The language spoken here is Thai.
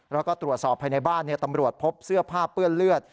แล้วก็ตรวจสอบภายในบ้านตำรวจพบเสื้อผ้าเปื้อนเลือด